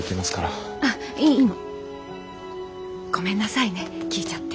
ごめんなさいね聞いちゃって。